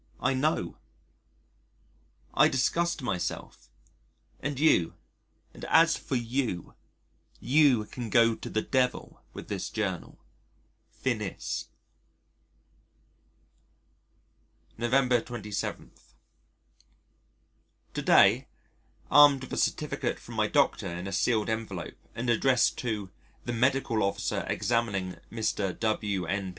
I know. I disgust myself and you, and as for you, you can go to the Devil with this Journal. Finis November 27. To day, armed with a certificate from my Doctor in a sealed envelope and addressed "to the Medical Officer examining Mr. W.N.